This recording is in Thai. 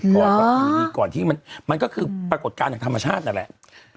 กว่าก่อนที่มันก็คือปรากฏการณ์ธรรมชาติแล้ว